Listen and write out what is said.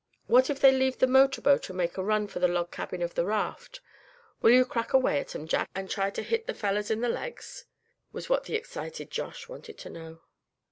"What if they leave the motor boat and make a run for the log cabin on the raft will you crack away at 'em, Jack, and try to hit the fellers in the legs?" was what the excited Josh wanted to know.